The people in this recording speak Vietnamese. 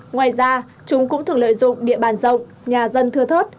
ngoài ra chúng cũng thường lợi dụng địa bàn rộng nhà dân thưa thớt